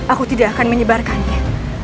aku tidak akan menyebarkannya